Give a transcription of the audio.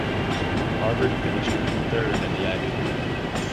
Harvard finished third in the Ivy League.